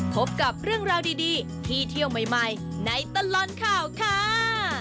พบกับเรื่องราวดีที่เที่ยวใหม่ในตลอดข่าวค่ะ